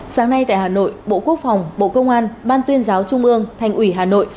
sáng nay tại hà nội bộ quốc phòng bộ công an ban tuyên giáo trung ương thành ủy hà nội